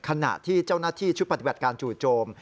ขณะที่เจ้าหน้าที่ชุดปฏิบัติการจู่โจม